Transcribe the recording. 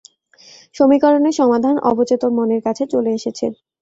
সমীকরণের সমাধান অবচেতন মনের কাছে চলে এসেছে।